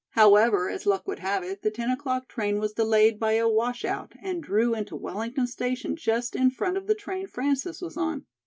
However, as luck would have it, the ten o'clock train was delayed by a washout and drew into Wellington station just in front of the train Frances was on.